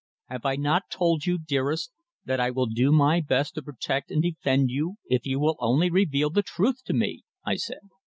"Have I not told you, dearest, that I will do my best to protect and defend you if you will only reveal the truth to me," I said.